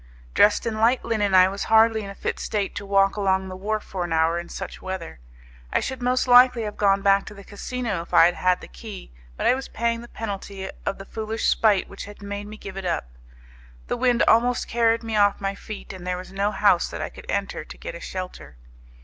Dressed in light linen, I was hardly in a fit state to walk along the wharf for an hour in such weather. I should most likely have gone back to the casino if I had had the key, but I was paying the penalty of the foolish spite which had made me give it up. The wind almost carried me off my feet, and there was no house that I could enter to get a shelter.